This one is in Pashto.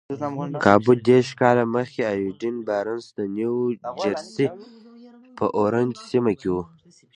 کابو دېرش کاله مخکې ايډوين بارنس د نيوجرسي په اورنج سيمه کې و.